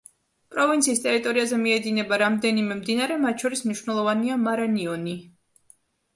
პროვინციის ტერიტორიაზე მიედინება რამდენიმე მდინარე, მათ შორის მნიშვნელოვანია მარანიონი.